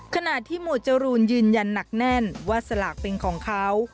ขณะที่หมวดจรูนยืนยันหนักแน่นว่าสลากเป็นของเขา